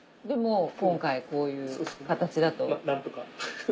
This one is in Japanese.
でも今回こういう形だと。何とか。